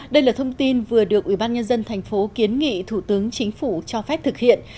đây là thông tin vừa được ubnd tp kiến nghị thủ tướng chính phủ cho phép thực hiện